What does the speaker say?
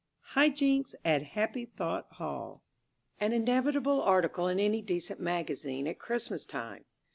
HIGH JINKS AT HAPPY THOUGHT HALL [_An inevitable article in any decent magazine at Christmas time.